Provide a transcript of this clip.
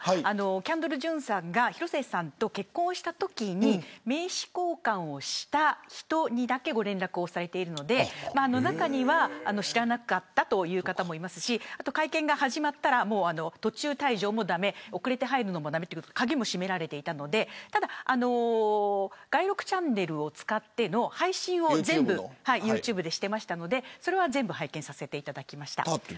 キャンドル・ジュンさんが広末さんと結婚したときに名刺交換をした人にだけご連絡されているので中には知らなかったという方もいますし会見が始まったら途中退場も駄目遅れて入るのも駄目ということで鍵も閉められていたのでただ外録チャンネルを使って配信はユーチューブでしていたのでそれは全部拝見しました。